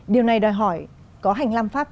điều này đòi hỏi có hành làm pháp